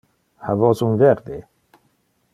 Ha vos un verde?